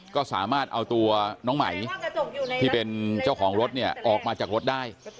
ก็สามารถเอาตัวน้องไหมที่เป็นเจ้าของรถเนี่ยออกมาจากรถได้